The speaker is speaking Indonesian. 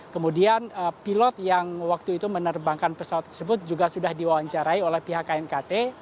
kemudian pilot yang waktu itu menerbangkan pesawat tersebut juga sudah diwawancarai oleh pihak knkt